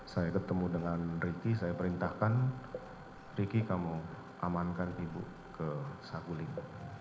saya ketemu dengan ricky saya perintahkan ricky kamu amankan ibu ke saguling